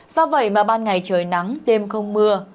do vậy mà ban ngày trời nắng đêm không mưa